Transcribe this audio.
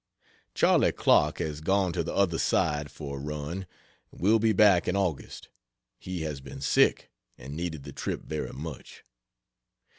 Charley Clark has gone to the other side for a run will be back in August. He has been sick, and needed the trip very much.